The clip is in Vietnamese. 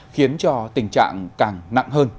khiến cho tình trạng càng nặng hơn